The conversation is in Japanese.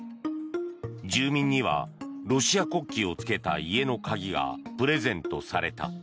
住民には、ロシア国旗をつけた家の鍵がプレゼントされた。